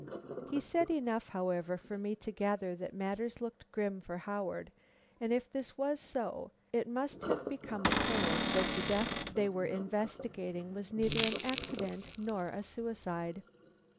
He said enough, however, for me to gather that matters looked grim for Howard, and if this was so, it must have become apparent that the death they were investigating was neither an accident nor a suicide.